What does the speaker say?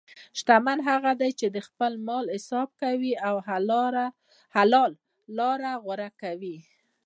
شتمن هغه دی چې د خپل مال حساب کوي او حلال لاره غوره کوي.